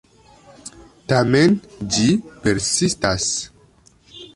Tamen, ĝi persistas.